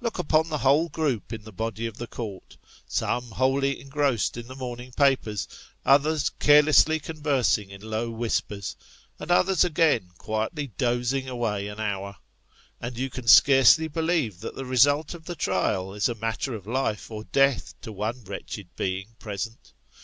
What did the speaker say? Look upon the whole group in the body of the Court some wholly engrossed in the morning papers, others carelessly con versing in low whispers, and othexs, again, quietly dozing away an hour and you can scarcely believe that the result of the trial is a matter of life or death to one wretched being present.